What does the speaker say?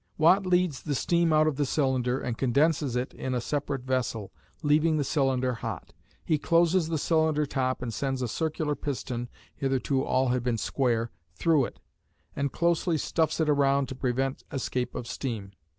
Watt leads the steam out of the cylinder and condenses it in a separate vessel, leaving the cylinder hot. He closes the cylinder top and sends a circular piston (hitherto all had been square) through it, and closely stuffs it around to prevent escape of steam.